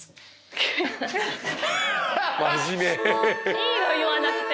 いいよ言わなくて。